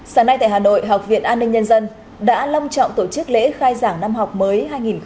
sáng nay tại hà nội học viện an ninh nhân dân đã long trọng tổ chức lễ khai giảng năm học mới hai nghìn hai mươi hai nghìn hai mươi